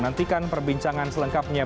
nantikan perbincangan selengkapnya